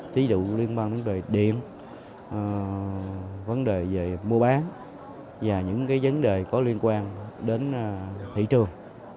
thí dụ liên quan vấn đề điện vấn đề về mua bán và những vấn đề có liên quan đến thị trường